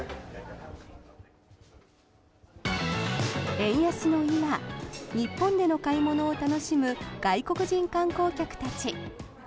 円安の今、日本での買い物を楽しむ外国人観光客たち。